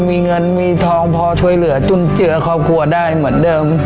มีเงินมีทองพอช่วยเหลือจุนเจือครอบครัวได้เหมือนเดิม